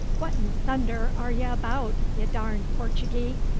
What 'n thunder 'r' y' abaout, y' darned Portagee?"